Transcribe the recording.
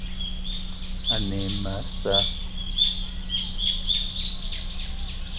Ane e ma a sa'a